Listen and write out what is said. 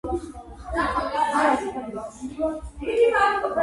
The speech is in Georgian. წონაში კლება და ვარჯიში, ასევე შესაძლოა იყოს სასარგებლო.